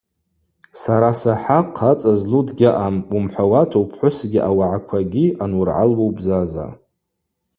Сара сахӏа хъацӏара злу дгьаъам – уымхӏвауата упхӏвысгьи ауагӏаквагьи ануыргӏалуа убзаза.